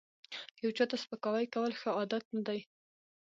یو چاته سپکاوی کول ښه عادت نه دی